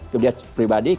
kemudian dia pribadi